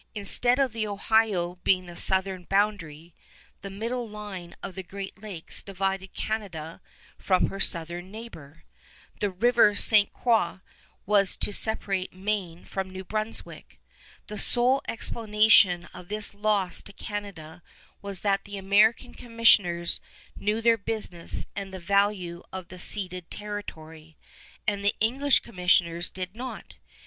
Instead of the Ohio being the southern boundary, the middle line of the Great Lakes divided Canada from her southern neighbor. The River Ste. Croix was to separate Maine from New Brunswick. The sole explanation of this loss to Canada was that the American commissioners knew their business and the value of the ceded territory, and the English commissioners did not.